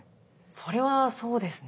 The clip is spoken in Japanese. それはそうですね。